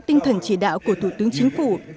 tinh thần chỉ đạo của thủ tướng chính phủ